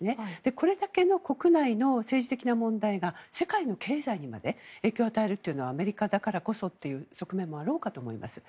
これだけの国内の政治的な問題が世界の経済にまで影響を与えるというのはアメリカだからこそという側面もあろうかと思います。